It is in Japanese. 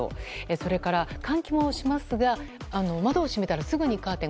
それから、換気もしますが窓を閉めたらすぐにカーテン。